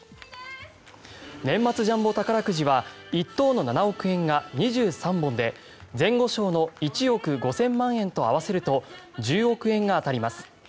年末ジャンボ宝くじは１等の７億円が２３本で前後賞の１億５０００万円と合わせると１０億円が当たります。